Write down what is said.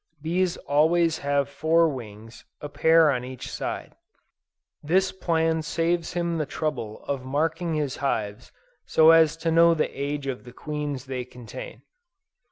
Bees always have four wings, a pair on each side. This plan saves him the trouble of marking his hives so as to know the age of the queens they contain.